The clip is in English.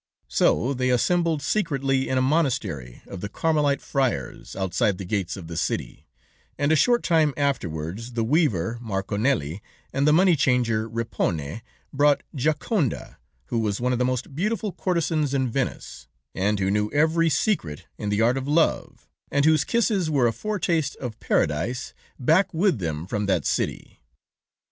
So they assembled secretly in a monastery of the Carmelite friars outside the gates of the city, and a short time afterwards the weaver Marconelli, and the money changer Rippone brought Giaconda, who was one of the most beautiful courtesans in Venice, and who knew every secret in the Art of Love, and whose kisses were a foretaste of Paradise, back with them from that city.